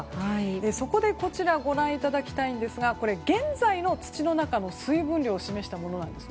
そこでこちらご覧いただきたいんですが現在の土の中の水分量を示したものなんです。